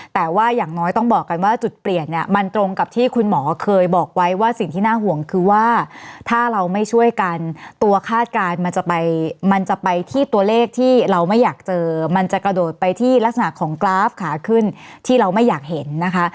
แต่ว่าอย่างน้อยต้องบอกกันว่าจุดเปลี่ยนเนี่ยมันตรงกับที่คุณหมอเคยบอกไว้ว่าสิ่งที่น่าห่วงคือว่าถ้าเราไม่ช่วยกันตัวคาดการณ์มันจะไปมันจะไปที่ตัวเลขที่เราไม่อยากเจอมันจะกระโดดไปที่ลักษณะของกราฟขาขึ้นที่เราไม่อยากเห็นนะคะ